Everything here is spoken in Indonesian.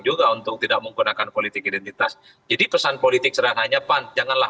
juga untuk tidak menggunakan politik identitas jadi pesan politik sedang hanya pan janganlah